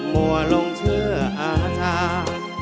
มั่วลงเชื่ออาจารย์